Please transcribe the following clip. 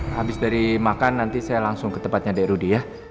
habis dari makan nanti saya langsung ke tempatnya dek rudy ya